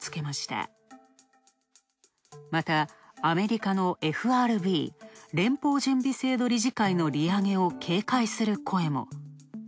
また、アメリカのＦＲＢ＝連邦準備制度理事会の利上げを警戒する声も。